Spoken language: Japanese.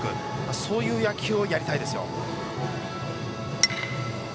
そういう野球をやりたいですよ。